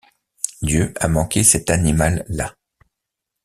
Dieu a manqué cet animal-là.